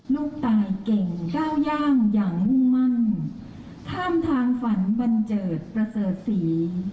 ลูกตายเก่งก้าวย่างอย่างมุ่งมั่นท่ามทางฝันบันเจิดประเสริฐศรี